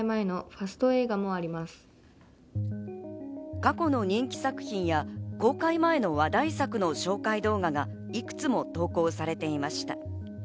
過去の人気作品や、公開前の話題作の紹介動画がいくつも投稿されていました。